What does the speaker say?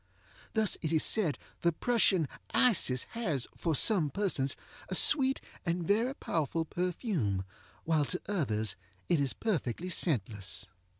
Thus it is said the Prussian Isis has, for some persons, a sweet and very powerful perfume, while to others it is perfectly scentless.